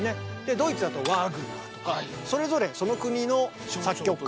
ドイツだとワーグナーとかそれぞれその国の作曲家。